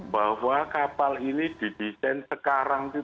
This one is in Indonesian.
bahwa kapal ini didesain sekarang itu